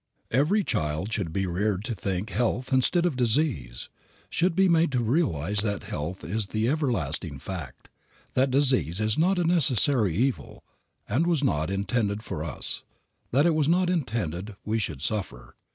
Every child should be reared to think health instead of disease; should be made to realize that health is the everlasting fact, that disease is not a necessary evil, and was not intended for us, that it was not intended we should suffer.